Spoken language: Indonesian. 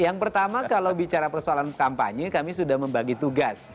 yang pertama kalau bicara persoalan kampanye kami sudah membagi tugas